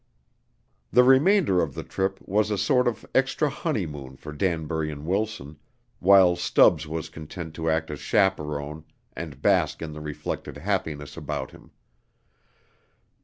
The remainder of the trip was a sort of extra honeymoon for Danbury and Wilson, while Stubbs was content to act as chaperone and bask in the reflected happiness about him.